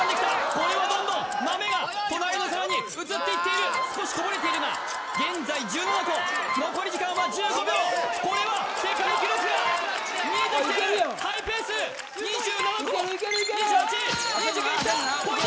これはどんどん豆が隣の皿に移っていっている少しこぼれているが現在１７個残り時間は１５秒これは世界記録が見えてきているあっいけるやんハイペース２７個２８２９いった！